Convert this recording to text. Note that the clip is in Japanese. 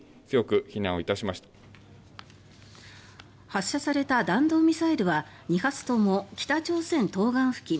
発射された弾道ミサイルは２発とも北朝鮮東岸付近